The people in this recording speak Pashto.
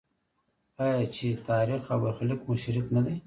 آیا چې تاریخ او برخلیک مو شریک نه دی؟